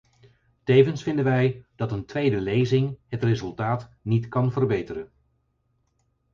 Tevens vinden wij dat een tweede lezing het resultaat niet kan verbeteren.